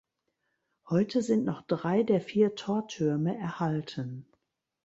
Heute sind noch drei der vier Tortürme erhalten.